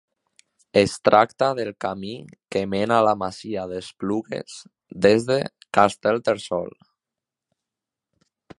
Es tracta del camí que mena a la masia d'Esplugues des de Castellterçol.